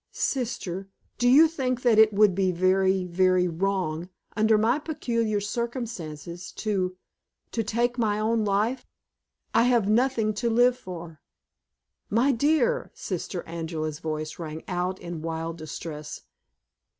"Sister, do you think that it would be very, very wrong, under my peculiar circumstances, to to take my own life? I have nothing to live for." "My dear!" Sister Angela's voice rang out in wild distress.